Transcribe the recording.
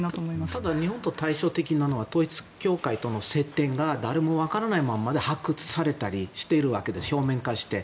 ただ日本と対照的なのは統一教会との接点が誰も分からないまま発掘されたりしてるわけです表面化して。